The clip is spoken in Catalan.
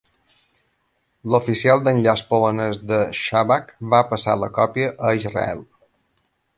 L'oficial d'enllaç polonès de Shabak va passar la còpia a Israel.